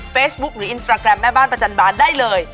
หรืออินสตราแกรมแม่บ้านประจันบาลได้เลย